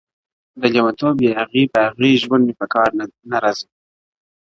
د ليونتوب ياغي، باغي ژوند مي په کار نه راځي.